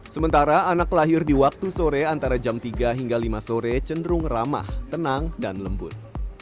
sementara anak lahir di waktu sore antara jam tiga hingga lima sore cenderung ramah tenang dan lembut